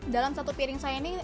dalam satu piring saya ini